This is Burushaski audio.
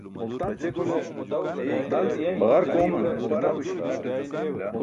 Baġark ooman.